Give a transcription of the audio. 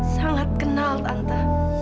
sangat kenal tante